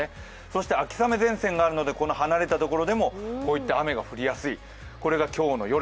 そして秋雨前線があるので離れたところでもこういった雨が降りやすい、これが今日の夜。